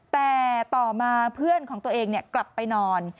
แต่ต่อมาเพื่อนของตัวเองกลับไปนอน